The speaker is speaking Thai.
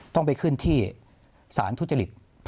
ต้องไปขึ้นที่ศาลทุจริจภ๗